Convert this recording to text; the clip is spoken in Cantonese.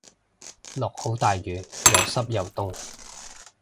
落好大雨又濕又凍